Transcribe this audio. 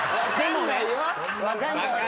分かんないよ。